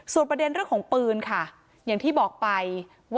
ประเด็นเรื่องของปืนค่ะอย่างที่บอกไปว่า